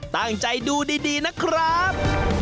ตั้งใจดูดีนะครับ